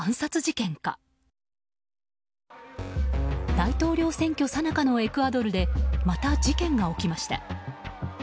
大統領選挙さなかのエクアドルでまた事件が起きました。